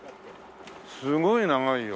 すごい長いよ。